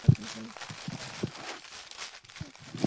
এগুলো দেহে প্রবেশ করিয়েই তাঁরা আত্মহত্যা করেছেন বলে ধারণা করছেন তিনি।